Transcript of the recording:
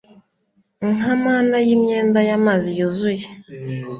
nka mana yimyenda y'amazi yuzuye